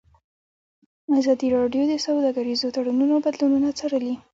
ازادي راډیو د سوداګریز تړونونه بدلونونه څارلي.